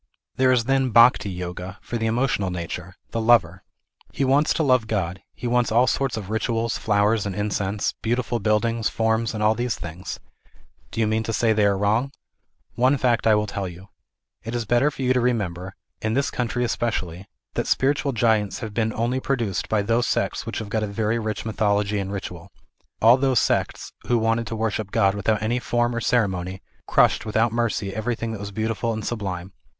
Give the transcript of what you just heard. There is then Bhakti Yoga, for the emotional nature, the lover. He wants to love God, he wants all sorts of rituals, flowers, and incense, beautiful buildings, forms and all these things. Do you mean to say they are wrong ? One fact I will tell you. It is better for you to remember, in this country especially, that spiritual giants have been only produced by those sects which have got a very rich 21 322 THE IDEAL OF A UNIVERSAL RELIGION. mythology and ritual. All those sects who wanted to wor ship God without any form or ceremony, crushed without mercy everything that was beautiful and sublime.